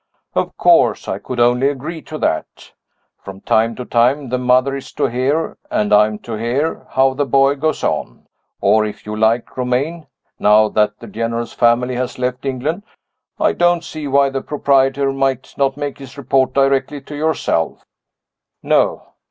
Of course I could only agree to that. From time to time the mother is to hear, and I am to hear, how the boy goes on. Or, if you like, Romayne now that the General's family has left England I don't see why the proprietor might not make his report directly to yourself." "No!"